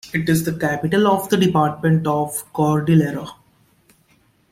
It is the capital of the department of Cordillera.